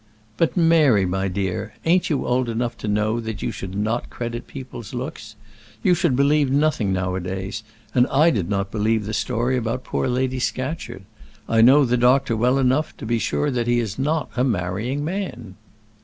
"But, Mary, my dear, ain't you old enough to know that you should not credit people's looks? You should believe nothing now a days; and I did not believe the story about poor Lady Scatcherd. I know the doctor well enough to be sure that he is not a marrying man."